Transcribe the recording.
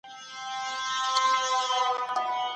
که تاسو دوستي ورسره وکړئ، نو هغه ستاسو د احسان ارزښت لري